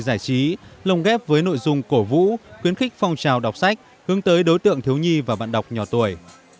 giải trí lồng ghép với nội dung cổ vũ khuyến khích phong trào đọc sách hướng tới đối tượng thiếu nhi và bạn đọc nhỏ tuổi